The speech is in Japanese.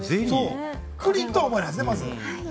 プリンとは思えないですね、まず。